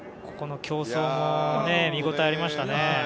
ここの競争も見応えありましたね。